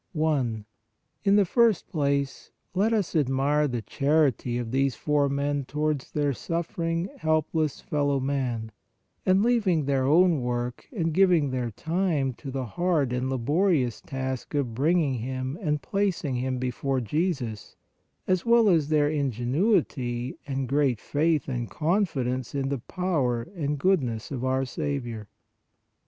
1. In the first place, let us admire the charity of these four men towards their suffering, helpless fellow man, and leaving their own work and giving their time to the hard and laborious task of bring ing him and placing him before Jesus, as well as their ingenuity and great faith and confidence in the power and goodness of our Saviour.